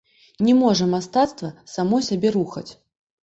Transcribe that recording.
Не можа мастацтва само сябе рухаць.